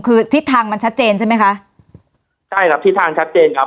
คือทิศทางมันชัดเจนใช่ไหมคะใช่ครับทิศทางชัดเจนครับ